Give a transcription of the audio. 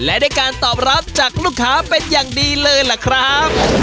และได้การตอบรับจากลูกค้าเป็นอย่างดีเลยล่ะครับ